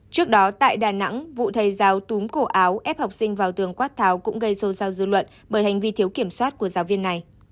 trước đó tại đà nẵng vụ thầy giáo túm cổ áo ép học sinh vào tường quát tháo cũng gây xôn xao dư luận bởi hành vi thiếu kiểm soát của giáo viên này